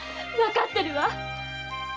わかってるわ！